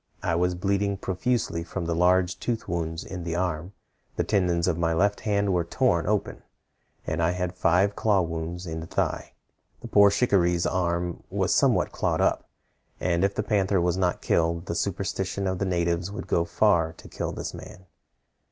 I was bleeding profusely from large tooth wounds in the arm; the tendons of my left hand were torn open, and I had five claw wounds in the thigh. The poor shikaree's arm was somewhat clawed up, and if the panther was not killed, the superstition of the natives would go far to kill this man.